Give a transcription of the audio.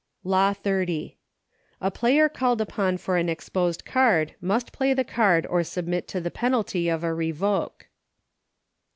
Law XXX. A player called upon for an exposed card must play the card or submit to the penalty of a revoke.